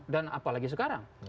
dan apalagi sekarang